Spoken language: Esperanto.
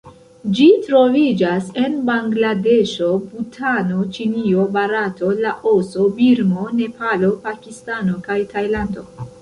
Ĝi troviĝas en Bangladeŝo, Butano, Ĉinio, Barato, Laoso, Birmo, Nepalo, Pakistano kaj Tajlando.